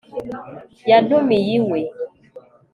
yantumiye iwe